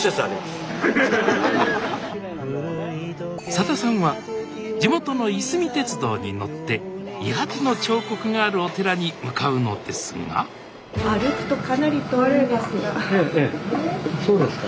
さださんは地元のいすみ鉄道に乗って伊八の彫刻があるお寺に向かうのですがそうですか。